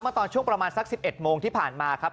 ตอนช่วงประมาณสัก๑๑โมงที่ผ่านมาครับ